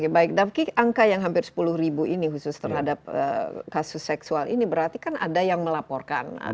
baik davi angka yang hampir sepuluh ribu ini khusus terhadap kasus seksual ini berarti kan ada yang melaporkan